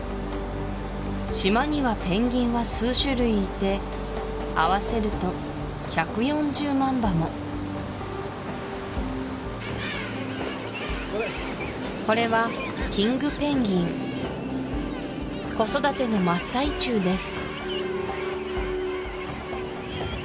島にはペンギンは数種類いてあわせると１４０万羽もこれはキングペンギン子育ての真っ最中です